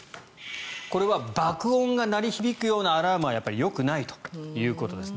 これは爆音が鳴り響くようなアラームはよくないということです。